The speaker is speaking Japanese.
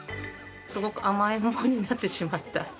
すごく甘えん坊になってしまった。